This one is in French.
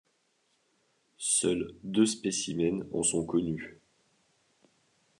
Seuls deux spécimens en sont connus.